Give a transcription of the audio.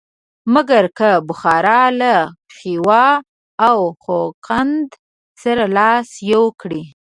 مګر که بخارا له خیوا او خوقند سره لاس یو کړي.